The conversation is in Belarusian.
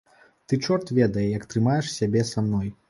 Ты чорт ведае як трымаеш сябе са мной.